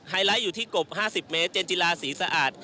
ไลท์อยู่ที่กบ๕๐เมตรเจนจิลาศรีสะอาด